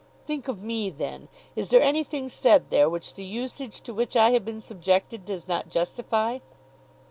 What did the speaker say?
"Think of me, then. Is there anything said there which the usage to which I have been subjected does not justify?"